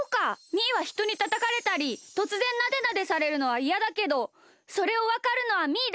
みーはひとにたたかれたりとつぜんなでなでされるのはいやだけどそれをわかるのはみーだけなのか！